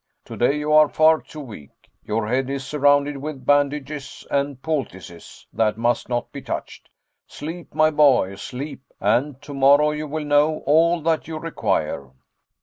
"Today you are far too weak. Your head is surrounded with bandages and poultices that must not be touched. Sleep, my boy, sleep, and tomorrow you will know all that you require."